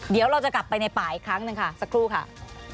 เดี๋ยวเราจะกลับไปในป่าอีกครั้งหนึ่งค่ะสักครู่ค่ะ